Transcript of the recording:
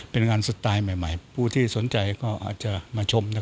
เป็นงานสไตล์ใหม่ผู้ที่สนใจก็อาจจะมาชมนะครับ